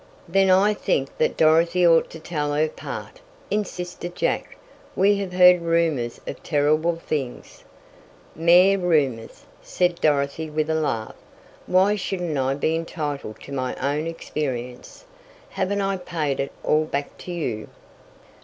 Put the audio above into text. "Then I think that Dorothy ought to tell her part," insisted Jack. "We have heard rumors of terrible things!" "Mere rumors," said Dorothy with a laugh, "Why shouldn't I be entitled to my own experience? Haven't I paid it all back to you?"